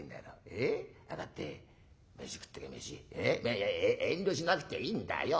いやいや遠慮しなくていいんだよ。